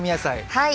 はい。